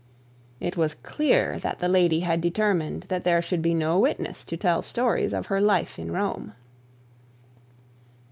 It was clear that the lady had determined that there should be no witness to tell stories of her life in Rome.